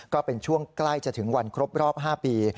ก็เป็นช่วงใกล้จะถึงวันครบรอบ๕ปี